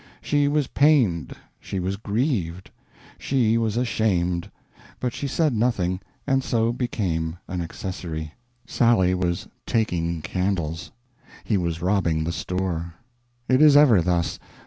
She was pained, she was grieved, she was ashamed; but she said nothing, and so became an accessory. Sally was taking candles; he was robbing the store. It is ever thus.